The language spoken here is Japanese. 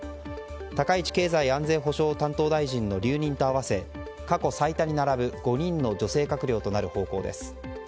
高市経済安全保障担当大臣の留任と合わせ、過去最多に並ぶ５人の女性閣僚となる方向です。